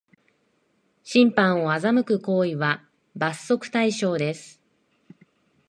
審判を欺く行為は罰則対象です